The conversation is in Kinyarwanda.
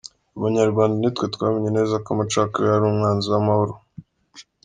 Abanyarwanda nitwe twamenye neza ko amacakubiri ari umwanzi w’amahoro.